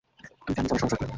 তুই জানিস আমার সমস্যা কি।